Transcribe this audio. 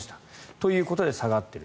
ということで下がっている。